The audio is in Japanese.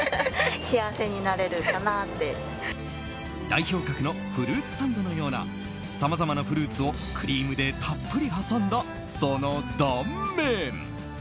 代表格のフルーツサンドのようなさまざまなフルーツをクリームでたっぷり挟んだその断面！